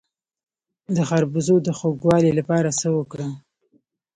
د خربوزو د خوږوالي لپاره څه وکړم؟